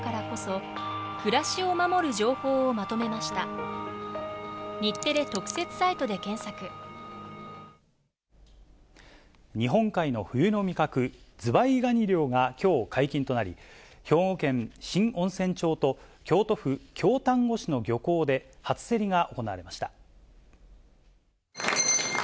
直近７日間の感染者数の平均は２０．３人で、日本海の冬の味覚、ズワイガニ漁がきょう解禁となり、兵庫県新温泉町と、京都府京丹後市の漁港で初競りが行われました。